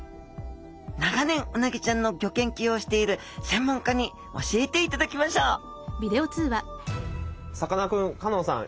長年うなぎちゃんのギョ研究をしている専門家に教えていただきましょうさかなクン香音さん